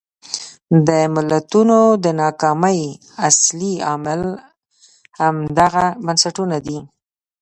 د ملتونو د ناکامۍ اصلي عامل همدغه بنسټونه دي.